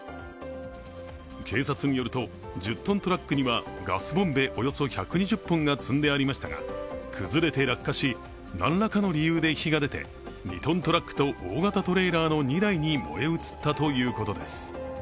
警察によると１０トントラックにはガスボンベおよそ１２０本が積んでありましたが崩れて落下し、何らかの理由で火が出て２ｔトラックと大型トレーラーの２台に燃え移ったということです。